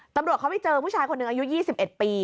ตำรวจเขาไปเจอผู้ชายคนหนึ่งอายุ๒๑ปี